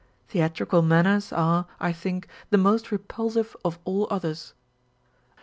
Theatrical manners are, I think, the most re pulsive of all others.